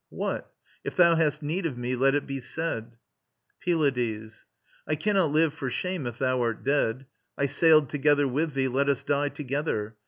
What? If thou hast need of me, let it be said. PYLADES. I cannot live for shame if thou art dead. I sailed together with thee; let us die Together.